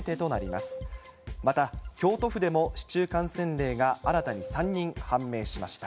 また京都府でも、市中感染例が新たに３人判明しました。